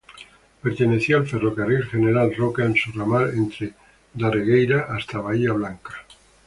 Pertenecía al Ferrocarril General Roca en su ramal entre Darregueira hasta Bahía Blanca.